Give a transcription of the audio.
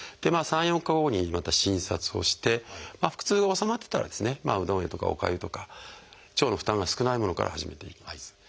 ３４日後にまた診察をして腹痛が治まってたらうどんとかおかゆとか腸の負担が少ないものから始めていきます。